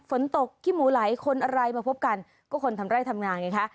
ฝนตกขี้หมูไหลคนอะไรมาพบกันก็คนทำไร่ทำงานไงคะ